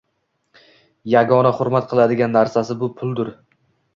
Yagona hurmat qiladigan narsasi bu puldir!